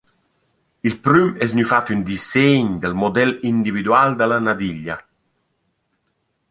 Il prüm es gnü fat ün dissegn dal model individual da la nadiglia.